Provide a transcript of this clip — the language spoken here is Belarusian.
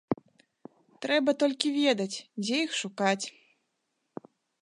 Трэба толькі ведаць, дзе іх шукаць.